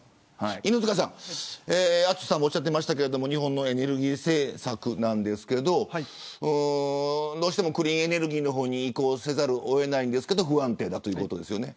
犬塚さん、淳さんもおっしゃっていましたが日本のエネルギー政策なんですがどうしてもクリーンエネルギーの方に移行せざるを得ないですが不安定ということですよね。